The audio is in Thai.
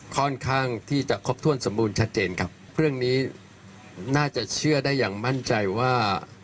ค่อนข้างที่จะครบถ้วนสมบูรณ์ชัดเจนครับเรื่องนี้น่าจะเชื่อได้อย่างมั่นใจว่า